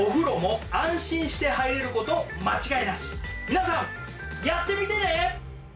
皆さんやってみてね！